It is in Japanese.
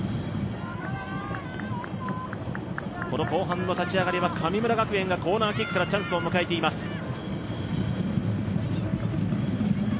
後半の立ち上がりは神村学園がコーナーキックからチャンスを迎えています。